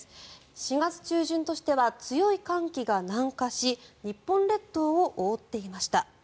４月中旬としては強い寒気が南下し日本列島を覆っていました。